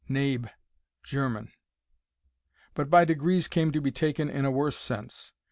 (Knabe German,) but by degrees came to be taken in a worse sense.